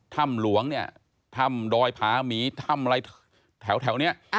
ถ้ำหลวงเนี่ยถ้ำดอยผาหมีถ้ำอะไรแถวนี้